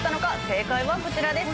正解はこちらです。